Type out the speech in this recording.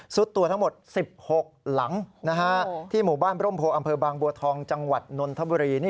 สุดตัวทั้งหมด๑๖หลังที่หมู่บ้านร่มโพอำเภอบางบัวทองจังหวัดนนทบุรี